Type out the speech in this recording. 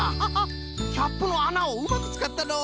キャップのあなをうまくつかったのう。